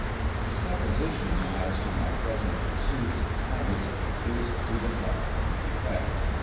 The supposition as to my present pursuits and habits is to the following eftect.